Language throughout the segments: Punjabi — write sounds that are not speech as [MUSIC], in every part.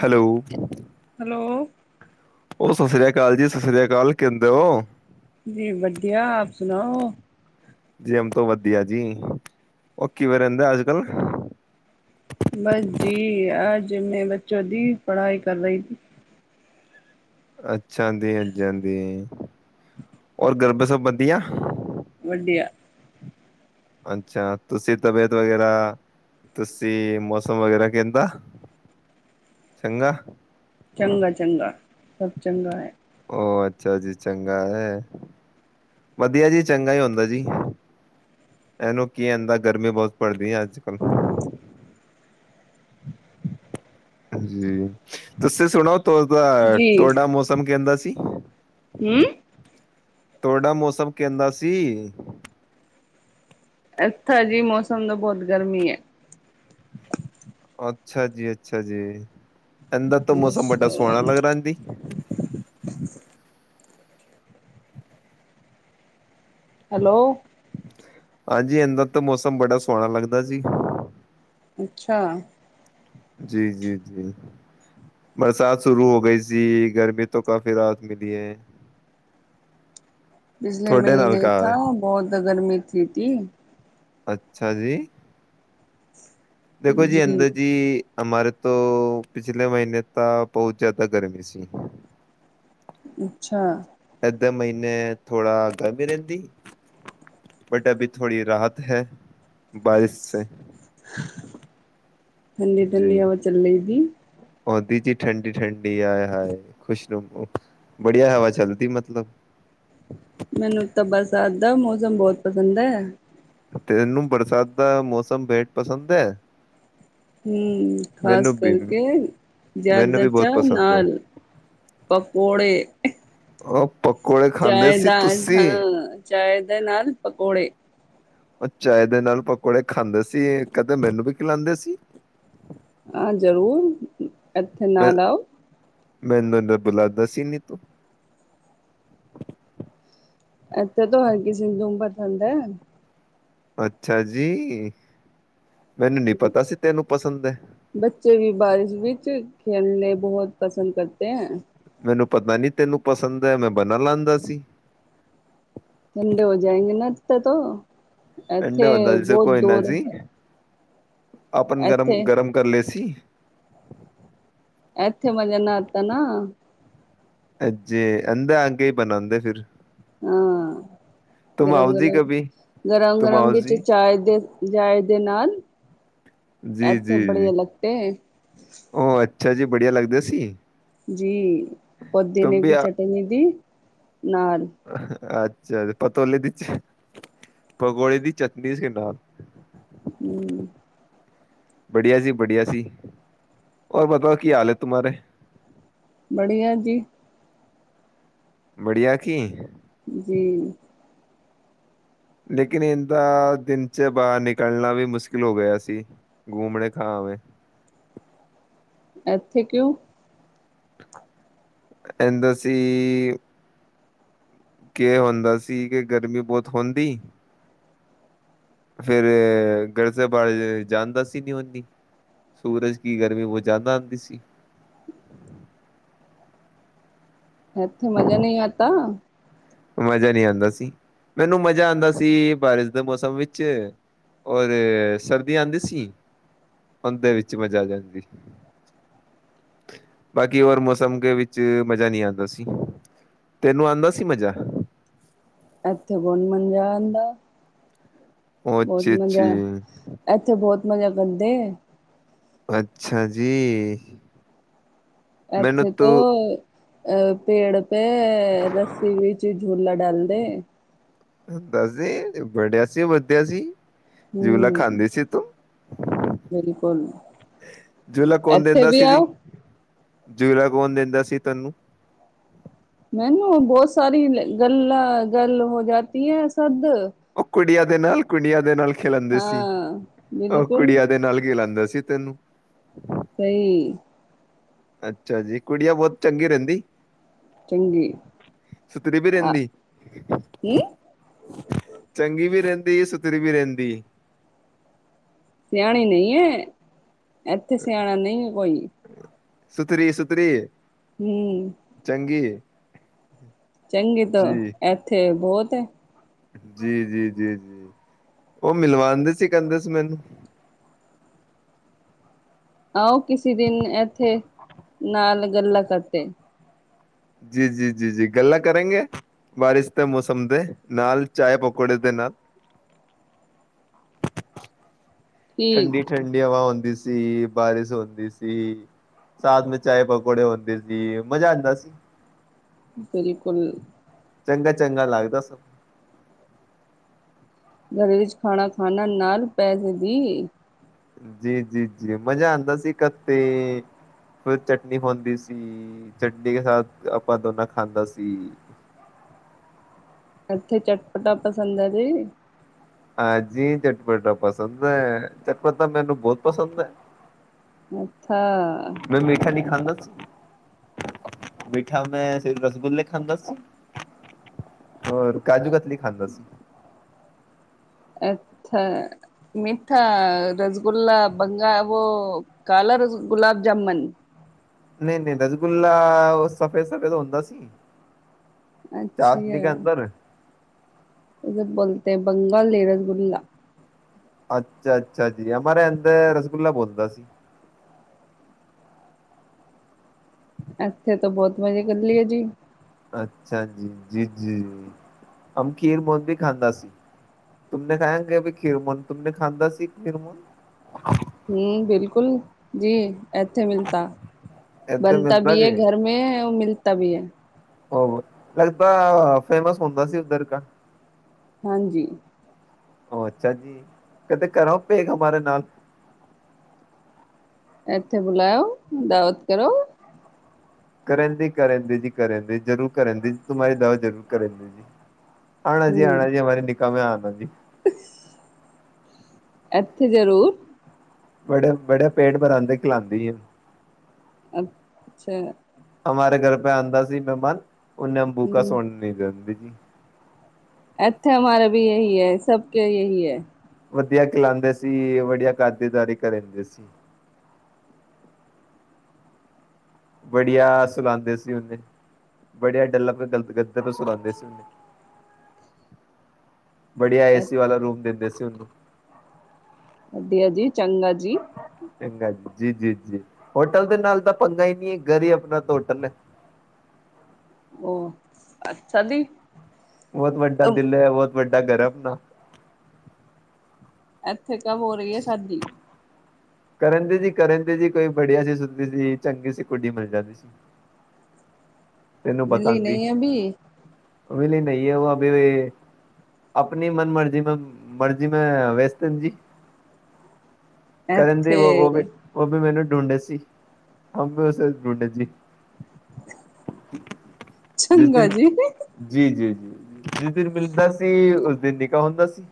ਹੈਲੋ ਹੈਲੋ ਓਹ ਸਸ ਸ੍ਰੀ ਕਾਲ ਜੀ, ਸਸ ਸ੍ਰੀ ਕਾਲ, ਕੈਦੇ ਹੋ? ਜੀ ਵਧੀਆ, ਆਪ ਸੁਣਾਓ? ਜੀ ਹਮ ਤੋਂ ਵਧੀਆ ਜੀ, ਓਹ ਕਿਵੇਂ ਰੈਹਂਦਾ ਅੱਜ-ਕੱਲ? ਬਸ ਜੀ, ਅੱਜ ਮੈਂ ਬੱਚੋਂ ਦੀ ਪੜ੍ਹਾਈ ਕਰ ਰਹੀ। ਅੱਛਾ ਆਂਦੀ ਐ, ਜਾਂਦੀ ਐ। ਔਰ ਘਰ ਪੇ ਸਭ ਵਧੀਆ? ਵੱਦੀਆ। ਅੱਛਾ, ਤੁਸੀਂ ਤਬੀਅਤ ਵਗੈਰਾ ਤੁਸੀਂ ਮੌਸਮ ਵਗੈਰਾ ਕੈਹੰਦਾ, ਚੰਗਾ ਚੰਗਾ-ਚੰਗਾ ਸਭ ਚੰਗਾ ਐ। ਓ ਅੱਛਾ ਜੀ ਚੰਗਾ ਐ। ਵਧੀਆ ਜੀ ਚੰਗਾ ਇ ਹੁੰਦਾ ਜੀ। ਇਹਨੂੰ ਕੀ ਆਂਦਾ ਗਰਮੀ ਬੋਹਤ ਪੜਦੀ ਐ ਅੱਜ-ਕੱਲ। ਜੀ ਤੁਸੀਂ ਸੁਣੋ ਤੌ ਤਾ ਜੀ ਤੁਹਾਡਾ ਮੌਸਮ ਕਹਿੰਦਾ ਸੀ ਹੂੰ ਤੁਹਾਡਾ ਮੌਸਮ ਕਹਿੰਦਾ ਸੀ ਐਥਾ ਜੀ ਮੌਸਮ ਦਾ ਬੋਹਤ ਗਰਮੀ ਏ। ਅੱਛਾ ਜੀ ਅੱਛਾ ਜੀ ਏਹੰਦਾ ਤਾ ਮੌਸਮ ਬਡਾ ਸੋਹਣਾ ਲੱਗਦਾ ਰੇਂਦੀ। ਹੈਲੋ ਹਾਂਜੀ ਅੰਦਰ ਤਾਂ ਮੌਸਮ ਬੜਾ ਸੋਹਣਾ ਲੱਗਦਾ ਜੀ। ਅੱਛਾ ਜੀ-ਜੀ, ਜੀ ਬਰਸਾਤ ਸ਼ੁਰੂ ਹੋ ਗਈ ਸੀ, ਗਰਮੀ ਤੋਂ ਕਾਫ਼ੀ ਰਾਹਤ ਮਿਲੀ ਐ। ਪਿਛਲੇ ਤੁਹਾਡੇ ਨਾਲ ਮਹੀਨੇ ਕਹਾ ਥਾ ਹੈ ਬੋਹਤ ਗਰਮੀ ਸੀ ਤੀ। ਅੱਛਾ ਜੀ। ਦੇਖੋ ਜੀ ਅੰਦਾ ਜੀ। ਹਮਾਰੇ ਤੋਂ ਪਿਛਲੇ ਮਹੀਨੇ ਤਾਂ ਬਹੁਤ ਜਾਦਾ ਗਰਮੀ ਸੀ। ਅੱਛਾ ਏਧੇ ਮਹੀਨੇ ਥੋੜਾ ਗਰਮੀ ਰਹਿੰਦੀ। ਬਟ ਅਭੀ ਥੋੜੀ ਰਾਹਤ ਹੈ, ਬਾਇਸ ਸੇ। ਠੰਡੀ-ਠੰਡੀ ਜੀ ਹਵਾ ਚੱਲੇਗੀ। ਆਉਂਦੀ ਜੀ ਠੰਡੀ-ਠੰਡੀ ਆਏ ਹਾਏ ਖੁਸ਼ ਨੂੰ ਬੜੀਆ ਹਵਾ ਚੱਲਦੀ ਮਤਲਬ। ਮੈਨੂੰ ਤਾਂ ਬਰਸਾਤ ਦਾ ਮੌਸਮ ਬੋਹਤ ਪਸੰਦ ਐ। ਤੈਨੂੰ ਬਰਸਾਤ ਦਾ ਮੌਸਮ ਬੇਟ ਪਸੰਦ ਐ। ਹੁ ਖ਼ਾਸ ਵੀ ਕਰਕੇ ਮੈਨੂੰ ਜਾਦਾ ਵੀ ਚਾ ਬਹੁਤ ਪਸੰਦ ਹੈ ਨਾਲ ਪਕੌੜੇ। ਓ ਪਕੌੜੇ ਖਾਂਦੇ ਚਾਏ ਸੀ ਦਾ ਤੁਸੀਂ। ਹਾਂ, ਚਾਏ ਦੇ ਨਾਲ ਪਕੌੜੇ। ਉਹ ਚਾਏ ਦੇ ਨਾਲ ਪਕੌੜੇ ਖਾਂਦੇ ਸੀ ਏ, ਕਦੇ ਮੈਨੂੰ ਵੀ ਖਿਲਾਦੇ ਸੀ? ਹਾਂ ਜ਼ਰੂਰ ਇੱਥੇ ਮੈਂ ਨਾਲ ਆਉ। ਮੈਨੂੰ ਤਾਂ ਬੁਲਾਦਾ ਸੀ ਨੀ ਤੂੰ। ਐਥੇ ਤੋਂ ਹਰ ਕਿਸੀ ਨੂੰ ਪਸੰਦ ਐ। ਅੱਛਾ ਜੀ, ਮੈਨੂੰ ਨੀ ਪਤਾ ਸੀ ਤੈਨੂੰ ਪਸੰਦ ਐ। ਬੱਚੇ ਵੀ ਬਾਰਿਸ਼ ਵਿੱਚ ਖੇਲਨੇ ਬੋਹਤ ਪਸੰਦ ਕਰਤੇ ਐ। ਮੈਨੂੰ ਪਤਾ ਨੀ ਤੈਨੂੰ ਪਸੰਦ ਹੈ ਮੈਂ ਬਨਾ ਲਾਦਾ ਸੀ। ਠੰਡੇ ਹੋ ਜਾਏਗੇੇ ਨਾ ਇੱਥੇ ਤੋਂ ਠੰਡੇ ਐਥੇ ਹੁੰਦਾ ਜਿਸ ਬੋਹਤ ਕੋਈ ਨਾ ਦੂਰ ਜੀ ਐ। ਆਪਨ ਗਰਮ-ਗਰਮ ਕਰ ਲਏ ਸੀ। ਐਥੇ ਮਜ਼ਾ ਨਾ ਆਤਾ ਨਾ। ਅਜੇ ਏਦੇ ਆਕੇ ਹੀ ਬਣਾਂਦੇ ਫਿਰ। ਹਾਂ ਤੁਮ ਆਓ ਜੀ ਗਰਮ-ਗਰਮ, ਕਭੀ ਤੁਮ ਗਰਮ-ਗਰਮ ਆਓ ਵਿੱਚ ਜੀ ਚਾਏ ਦੇ ਚਾਏ ਦੇ ਨਾਲ। ਜੀ-ਜੀ, ਜੀ ਉਹ ਅੱਛਾ ਜੀ ਬੜੀਆ ਲੱਗਦੇ ਸੀ। ਜੀ ਤੁਮ ਪੁਦੀਨੇ ਵੀ ਕੀ ਆ- ਚਟਨੀ ਦੀ ਨਾਲ। ਅੱਛਾ ਪਤੋਲੇ ਦੀ ਚਟ ਪਕੌੜੇ ਦੀ ਚਟਨੀ ਸੀ ਨਾਲ। ਹਮ। ਬੜੀਆ ਜੀ ਬੜਿਆ ਸੀ। ਹੋਰ ਬਤਾਓ ਕੀ ਹਾਲ ਐ ਤੁੁਮਾਰੇ? ਬੜੀਆ ਜੀ। ਬੜੀਆ ਕੀ ਜੀ। ਲੇਕਿਨ ਇੰਦਾ ਦਿਨ 'ਚ ਬਾਰ ਨਿਕਲਨਾ ਵੀ ਮੁਸਕਿਲ ਹੋ ਗਿਆ ਸੀ। ਗੁੰਮੜੇ ਖਾਵੇ। ਅਥੇ ਕਿਉਂ? ਐੰਦਾ ਸੀ। ਕੇ ਹੁੰਦਾ ਸੀ ਕਿ ਗਰਮੀ ਬੋਤ ਹੁੰਦੀ। ਫੇਰ ਘਰ ਸੇ ਬਾਰ ਜਾਂਦਾ ਸੀ ਨੀ ਓਨੀ। ਸੂਰਜ ਕੀ ਗਰਮੀ ਬੋਤ ਜਾਦਾ ਆਂਦੀ ਸੀ। ਐਥੇ ਮਜਾ ਨਈ ਆਤਾ। ਮਜ਼ਾ ਨਈ ਆਂਦਾ ਸੀ। ਮੈਨੂੰ ਮਜ਼ਾ ਆਂਦਾ ਸੀ ਬਾਰਿਸ਼ ਦੇ ਮੌਸਮ ਵਿੱਚ। ਔਰੇ ਸਰਦੀ ਆਂਦੀ ਸੀ। ਔਦੇਂ ਵਿੱਚ ਵਜ਼ਾ ਆ ਜਾਂਦੀ। ਬਾਕੀ ਹੋਰ ਮੌਸਮ ਕੇ ਵਿੱਚ ਮਜ਼ਾ ਨੀ ਆਂਦਾ ਸੀ। ਤੈਨੂੰ ਆਂਦਾ ਸੀ ਮਜ਼ਾ। ਐਥੇ ਬੋਤ ਮਂਜਾ ਆਂਦਾ। ਓ ਬੋਤ ਅੱਛਾ ਮਜਾ ਅੱਛਾ ਐਥੇ ਬੋਤ ਮਜਾ ਕਰਦੇ। ਅੱਛਾ ਜੀ। ਮੈਨੂੰ ਐਥੇ ਤੂੰ ਤੋਂ ਅ ਪੇੜ ਤੇ ਰਸੀ ਵਿੱਚ ਝੂਲਾ ਡਾਲਦੇ। ਦੱਸਦੀ ਬੜਿਆ ਸੀ, ਵਧਿਆ ਸੀ, ਜੂਲਾ ਹੂੰ ਖਾਂਦੀ ਸੀ ਤੂੰ। ਬਿਲਕੁਲ ਝੂਲਾ ਕੌਨ ਇੱਥੇ ਦਿੰਦਾ ਵੀ ਸੀ ਦੀ? ਆਓ ਝੂਲਾ ਕੌਨ ਦਿੰਦਾ ਸੀ ਤੈਨੂੰ? ਮੈਨੂੰ ਬੋਤ ਸਾਰੀ ਗੱਲ ਗੱਰਲ ਹੋ ਜਾਤੀ ਹੈ ਸਦ। ਓ ਕੁੜੀਆਂ ਦੇ ਨਾਲ-ਕੁੜੀਆਂ ਦੇ ਨਾਲ ਖਿਲਾਂਦੇ ਸੀ। ਹਾਂ ਓ ਬਿਲਕੁਲ ਕੁੜੀਆਂ ਦੇ ਨਾਲ ਖਿਲਾਂਦਾ ਸੀ। ਤੈਨੂੰ। ਸਈ। ਅੱਛਾ ਜੀ ਕੁੜੀਆ ਬੋਤ ਚੰਗੀ ਰੈਂਦੀ। ਚੰਗੀ ਸੁਤਰੀ ਵੀ ਆ ਰੈਂਦੀ। ਹਮ ਚੰਗੀ ਵੀ ਰੈਂਦੀ ਸੁਥਰੀ ਵੀ ਰੈਦੀ। ਸਿਆਣੇ ਨਈ ਐ। ਐਥੇ ਸਿਆਣਾ ਨਈ ਐ ਕੋਈ। ਸੁਥਰੀ-ਸੁਥਰੀ ਏ ਹਮ ਚੰਗੀ ਏ। ਚੰਗੀ ਤੋ ਐਥੇ ਬੋਤ ਏ। ਜੀ-ਜੀ-ਜੀ-ਜੀ ਓ ਮਿਲਵਾਂਦੇ ਸੀ ਕੇਂਦੇ ਸੀ ਮੈਨੂੰ। ਆਓ ਕਿਸੀ ਦਿਨ ਐਥੇ ਨਾਲ ਗੱਲਾਂ ਕਰਤੇ। ਜੀ-ਜੀ-ਜੀ-ਜੀ ਗੱਲਾਂ ਕਰੇਂਗੇ। ਬਾਰਿਸ ਦੇ ਮੌਸਮ ਦੇ ਨਾਲ ਚਾਏ-ਪਕੌੜੇ ਦੇ ਨਾ ਠੀਕ ਠੰਡੀ-ਠੰਡੀ ਹਵਾ ਹੁੰਦੀ ਸੀ, ਬਾਰਿਸ ਹੁੰਦੀ ਸੀ। ਸਾਥ ਮੇ ਚਾਏ-ਪਕੌੜੇ ਹੁੰਦੇ ਸੀ, ਮਜ਼ਾ ਆਂਦਾ ਸੀ। ਬਿਲਕੁਲ। ਚੰਗਾ-ਚੰਗਾ ਲਾੱਗਦਾ ਸਬ। ਘਰੇ ਵਿੱਚ ਖਾਣਾ ਖਾਣਾ ਨਾਲ ਪੇਜੇ ਗੀ। ਜੀ-ਜੀ-ਜੀ ਮਜ਼ਾ ਆਦਾ ਸੀ ਕਿਤੇ ਫਿਰ ਚਟਨੀ ਹੁੰਦੀ ਸੀ, ਚਟਨੀ ਕੇ ਸਾਥ ਆਪਾਂ ਦੋਨਾਂ ਖਾਂਦਾ ਸੀ। ਇੱਥੇ ਚਟਪਟਾ ਪਸੰਦ ਐ ਜੀ। ਹਾਂਜੀ ਚਟਪਟਾ ਪਸੰਦ ਐ ਚਟਪੱਟ ਮੈਨੂੰ ਬਹੁਤ ਪਸੰਦ ਐ। [INAUDIBLE] ਮੈਂ ਮੀਠਾ ਨੀ ਖਾਂਦਾ। ਮੀਠਾ ਮੈਂ ਸਿਰਫ ਰਸਗੁੱਲੇ ਖਾਂਦਾ ਸੀ। ਹੋਰ ਕਾਜੂ ਕਤਲੀ ਖਾਂਦਾ ਸੀ। ਅੱਛਾ, ਮੀਠਾ ਰਸਗੁੱਲਾ ਬੰਗਾ ਵੋ ਕਾਲਾ ਰਸ ਗੁਲਾਬ ਜਾਮੁਨ ਨਈ ਨਈ ਰਸਗੁੱਲਾ ਸਫੇਦ ਸਫੇਦ ਹੁੰਦਾ ਸੀ। [UNINTELLIGIBLE] ਕੇ ਅੰਦਰ ਬੋਲਤੇ ਬੰਗਾਲ ਦੇ ਰਸਗੁੱਲਾ ਅੱਛਾ-ਅੱਛਾ ਜੀ [UNINTELLIGIBLE] ਰਸਗੁੱਲਾ ਬੋਲਦਾ ਸੀ। ਅੱਛਾ ਤੋ ਬੋਤ ਮਜੇ ਕਰ ਲਿਏ ਜੀ। ਅੱਛਾ ਜੀ-ਜੀ-ਜੀ ਅਮ ਖੀਰ ਬੋਤ ਵੀ ਖਾਂਦਾ ਸੀ। ਤੁਮਨੇ ਖਾਏ ਹੋਗੇ ਅਬੀ ਖੀਰ [UNINTELLIGIBLE] ਖਾਦਾ ਸੀ ਖੀਰ ਮੁਗ ਹੂੰ ਬਿਲਕੁਲ ਜੀ ਇੱਥੇ ਮਿਲਤਾ ਏਦਾਂ ਬਣਤਾ ਮਿਲਦਾ ਵੀ ਐ ਕੇ ਘਰ ਮੈਂ ਉਹ ਮਿਲਤਾ ਵੀ ਐ। ਹੋਰ ਲੱਗਦਾ ਫੇਮਸ ਹੁੰਦਾ ਸੀ ਉੱਧਰ ਕਾ ਹਾਂਜੀ, ਉਹ ਅੱਛਾ ਜੀ, ਘਰੋ [UNINTELLIGIBLE] ਮਾਰਾ ਨਾਲ ਇੱਥੇ ਬੁਲਾਇਓ ਦਾਵਤ ਕਰੋ। ਕਰਨ ਦੀ ਕਰਨ ਜੀ ਕਰਨ ਜ਼ਰੂਰ ਕਰਨ ਦੀ ਤਮਾਰੀ ਦਾਵਾ ਜ਼ਰੂਰ ਕਰਨ ਜੀ। ਆਣਾ ਜੀ ਆਣਾ ਹਮ ਜੀ ਹਮਾਰੇ [UNINTELLIGIBLE] ਮੇ ਆਨਾ ਜੀ। ਇੱਥੇ ਜ਼ਰੂਰ ਬੜੇ ਬੜੇ ਪੇਟ ਬਰਾਂਦੇ ਖਲਾਦੀ ਏ, ਸਈ ਗੱਲ ਹਮਾਰੇ ਘਰ ਪੇ ਆਦਾ ਸੀ ਮਹਿਮਾਨ, ਉਹਨੇ ਬੂਕਾ ਹਮ ਸੋਣ ਨੀ ਦੇ ਦਿੰਦੀ ਜੀ ਇੱਥੇ ਹਮਾਰਾ ਵੀ ਇਹੀ ਐ ਸਭ ਕੇ ਇਹੀ ਐ। ਵਧੀਆ ਖਿਲਾਦੇ ਸੀ ਵਧੀਆ ਖਾਤਰਦਾਰੀ ਕਰਦੇ ਸੀ। ਵਧੀਆ ਸੁਲਾਦੇ ਸੀ ਉੱਥੇ ਵਧੀਆ ਗੱਲਾਂ ਕਰਦੇ ਕਰਦੇ ਸੁਲਾਦੇ ਸੀ। [INAUDIBLE] ਵਡੀਆ ਏਸੀ ਵਾਲਾ ਰੂਮ ਦਿੰਦੇ ਸੀ ਉਹਨੂੰ ਵਧੀਆ ਜੀ ਚੰਗਾ ਜੀ। ਜੀ ਜੀ ਹੋਟਲ ਦੇ ਨਾਲ ਤਾ ਪੰਗਾਂ ਈ ਨੀ ਜੀ ਘਰ ਹੀ ਆਪਣਾ ਹੋਟਲ ਏ। ਉਹ ਅੱਛਾ ਜੀ, ਬਹੁਤ ਵੱਡਾ ਦਿਲ ਐ ਬਹੁਤ ਵੱਡਾ ਘਰ ਐ ਆਪਕਾ, ਇੱਥੇ ਕਬ ਹੋ ਰੀ ਐ ਸਾਦੀ? ਕਰਨ ਦੇ ਜੀ ਕਰਨ ਦੇ ਜੀ ਕੋਈ ਬੜੀਆ ਸੀ ਸੁੱਦੀ ਸੀ ਚੰਗੀ ਸੀ ਕੁੜੀ ਮਿਲ ਜਾਏ। ਤੈਨੂੰ ਮਿਲੀ ਬਤਾਂਦੀ, ਨਹੀਂ ਅਭੀ ਕੋਈ ਵੀ ਨੀ ਐ ਜਹਾਂ ਪੇ ਆਪਣੀ ਮਨ ਮਰਜ਼ੀ, ਮੈ ਮਰਜ਼ੀ ਮੈਂ ਬਿਆਸਤ ਐ ਜੀ। ਕਰਨ ਦੀ ਵੀ ਇੱਥੇ ਉਹ ਵੀ ਮੈਨੂੰ ਡੂੰਡੇ ਸੀ ਉਹ ਵੀ ਉਸ ਡੂੰਡੇ ਸੀ। ਜਿਸ ਦਿਨ ਜੀ ਜੀ ਜੀ। ਜਿਸ ਦਿਨ ਮਿਲਦਾ ਸੀ। ਉਸ ਦਿਨ ਨਿਕਾਹ ਹੁੰਦਾ ਸੀ।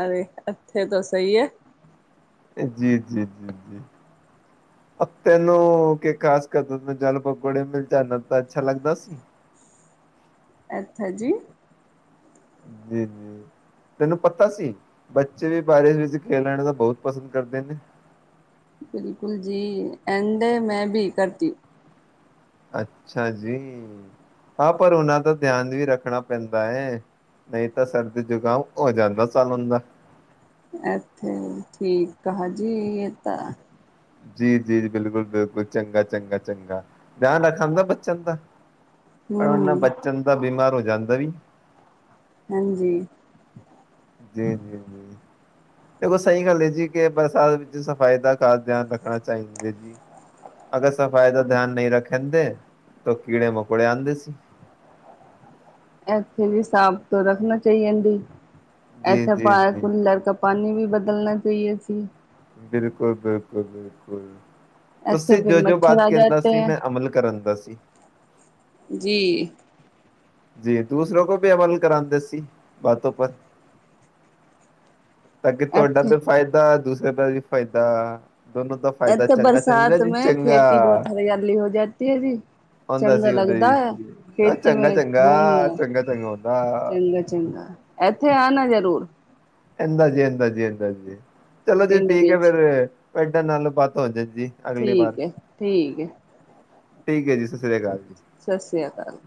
ਅਰੇ ਐਥੇ ਤਾ ਸਈ ਐ। ਜੀ ਜੀ ਜੀ ਜੀ। ਹ ਅ ਤੈਨੂੰ ਕਿ ਕਾਸਸ ਦਾ ਦੁੱਧ ਜਲ ਬਬੜੇ ਮਿਲ ਜਾਂਦਾ ਦਾ ਜਾ ਤਾਂ ਅੱਛਾ ਲੱਗਦਾ ਸੀ। ਅੱਛਾ ਜੀ। ਜੀ ਜੀ। ਤੈਨੂੰ ਪਤਾ ਸੀ, ਬੱਚੇ ਵੀ ਬਾਰਸ਼ ਵਿੱਚ ਖੇਲਣ ਦਾ ਬੋਤ ਪਸੰਦ ਕਰਦੇ ਨੇ। ਬਿਲਕੁਲ ਜੀ। ਐਂਡੇ ਮੈਂ ਬੀ ਕਰਤੀ। ਅੱਛਾ ਜੀ। ਹਾਂ ਪਰ ਓਨਾਂ ਦਾ ਧਿਆਨ ਵੀ ਰੱਖਣਾ ਪੈਂਦਾ ਏ। ਨਈ ਤਾਂ ਸਰਦੀ ਜੁਕਾਮ ਹੋ ਜਾਂਦਾ ਸਾਲੁਨ ਦਾ। ਐ ਤੇ ਠੀਕ ਕਹਾ ਜੀ, ਯੇਤਾ। ਜੀ ਜੀ ਜੀ। ਬਿਲਕੁਲ ਬਿਲਕੁਲ ਚੰਗਾ ਚੰਗਾ ਚੰਗਾ ਧਿਆਨ ਰੱਖਨ ਦਾ ਬੱਚਨ ਦਾ। ਅ ਨ ਹਮ ਬੱਚਨ ਦਾ ਬਿਮਾਰ ਹੋ ਜਾਂਦਾ ਈ। ਹਾਂਜੀ। ਜੀ ਜੀ ਜੀ। ਤੇ ਬਸ ਐਈ ਗੱਲ ਏ ਜੀ ਕੇ ਬਰਸਾਤ ਵਿੱਚ ਸਫ਼ਾਈ ਦਾ ਖਾਸ ਧਿਆਨ ਰੱਖਣਾ ਚਾਈਦੈ ਜੀ। ਅਗਰ ਸਫ਼ਾਈ ਦਾ ਧੇਆਨ ਨੀ ਰੱਖੇਂਦੇ ਤੇ ਕੀੜੇ ਮਕੌੜੇ ਆਂਦੇਸੀ। ਐਥੇ ਵੀ ਸਾਫ ਤੋਂ ਰੱਖਨਾ ਚਾਈਅਨ ਬੀ। ਜੀ ਐਥੇ ਜੀ ਪਾ ਜੀ ਕੁਲੜ ਕਾ ਪਾਨੀ ਵੀ ਬਦਲਨਾ ਚਾਈਏ ਸੀ। ਬਿਲਕੁਲ ਬਿਲਕੁਲ ਬਿਲਕੁਲ। ਇੱਥੇ ਤੁਸੀ ਜੋ ਜੋ ਬਾਤ ਕੇਂਦਾ ਸੀ, ਮੈਂ ਅਮਲ ਕਰੇਂਦਾ ਸੀ। ਜੀ। ਜੀ। ਦੂਸਰੋ ਕੋ ਵੀ ਅਮਲ ਕਰਾਂਦੇ ਸੀ ਬਾਤੋਂ ਪਰ। ਤਾਂ ਕਿ ਤੁਆਡਾ ਤੇ ਇੱਥੇ ਫਾਏਦਾ ਦੂਸਰੇ ਦਾ ਵੀ ਫਾਇਦਾ ਦੋਨੋ ਦਾ ਫਾਇਦਾ ਏਥੇ ਚੰਗਾ ਚੰਗਾ ਬਰਸਾਤ ਜੀ ਮੈਂ ਚੰਗਾ ਖੇਤੀ ਬੋਤ ਹਰਿਆਲੀ ਹੋ ਜਾਤੀ ਐ ਜੀ। ਹੁੰਦਾ ਚੰਗਾ ਸੀ ਹੁੰਦਾ ਲੱਗਦਾ ਜੀ ਐ ਖੇਤੀ ਚੰਗਾ ਮੇਂ ਚੰਗਾ ਘੁੰਮਨਾ। ਚੰਗਾ ਚੰਗਾ ਹੁੰਦਾ ਚੰਗਾ ਚੰਗਾ। ਏਥੇ ਆਨਾ ਜਰੂਰ। ਅੰਦਾ ਜੀ ਅੰਦਾ ਜੀ ਅੰੰਦਾ ਜੀ। ਚਲੋ ਜੀ ਪਿੰਡ ਠੀਕ ਐ ਵਿੱਚ ਫਿਰ ਤਡੇ ਨਾਲ ਬਾਤ ਹੋ ਜੇਜੀ। ਠੀਕ ਏ ਠੀਕ ਏ। ਠੀਕ ਏ ਜੀ। ਸਤ ਸੀ੍ ਅਕਾਲ ਜੀ। ਸਤਿ ਸ਼੍ਰੀ ਅਕਾਲ।